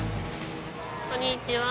こんにちは。